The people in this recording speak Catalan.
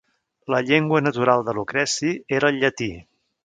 La llengua natural de Lucreci era el llatí.